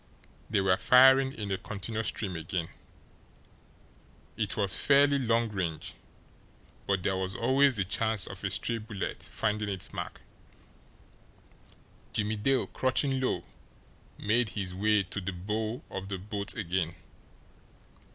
They were firing in a continuous stream again. It was fairly long range, but there was always the chance of a stray bullet finding its mark. Jimmie Dale, crouching low, made his way to the bow of the boat again.